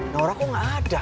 naura kok gak ada